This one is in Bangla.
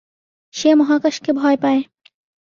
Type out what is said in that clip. সে মহাকাশকে ভয় পায়।